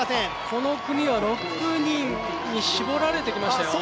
この組は６人に絞られてきましたよ。